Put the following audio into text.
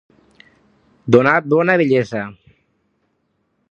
Donar bona vellesa.